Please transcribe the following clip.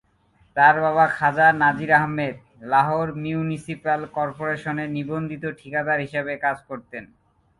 তার বাবা খাজা নাজির আহমেদ লাহোর মিউনিসিপ্যাল কর্পোরেশনে নিবন্ধিত ঠিকাদার হিসেবে কাজ করতেন।